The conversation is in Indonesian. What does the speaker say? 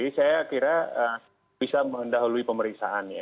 jadi saya kira bisa mendahului pemeriksaan ya